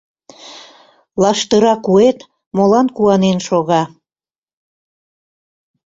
Лаштыра куэт молан куанен шога?